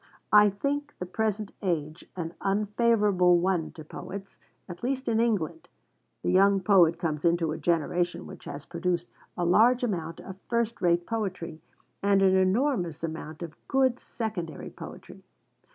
I think the present age an unfavourable one to poets, at least in England. The young poet comes into a generation which has produced a large amount of first rate poetry, and an enormous amount of good secondary poetry.